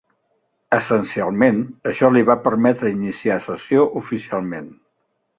Essencialment, això li va permetre iniciar sessió oficialment.